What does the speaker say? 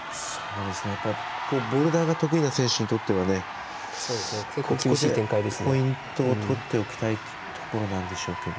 ボルダーが得意な選手にとってはここでポイントをとっておきたいところなんでしょうけど。